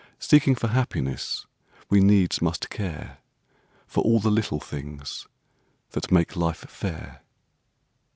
Seeking for happiness we needs must care For all the little things that make life fair.